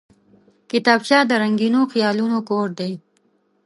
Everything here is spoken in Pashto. کتابچه د رنګینو خیالونو کور دی